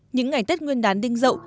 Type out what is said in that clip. những ngày tết nguyên đán đinh dậu